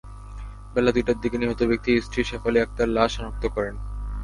বেলা দুইটার দিকে নিহত ব্যক্তির স্ত্রী শেফালী আক্তার লাশ শনাক্ত করেন।